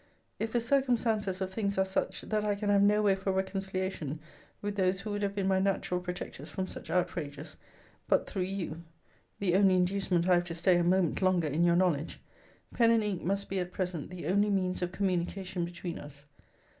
If the circumstances of things are such, that I can have no way for reconciliation with those who would have been my natural protectors from such outrages, but through you, [the only inducement I have to stay a moment longer in your knowledge,] pen and ink must be, at present, the only means of communication between us.